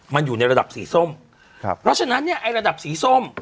มันอยู่ในระดับสีส้มครับเพราะฉะนั้นเนี่ยไอ้ระดับสีส้ม